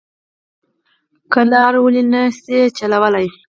کندهار ولې نه شي چلولای.